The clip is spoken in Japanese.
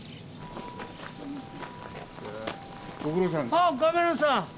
あっカメラマンさん。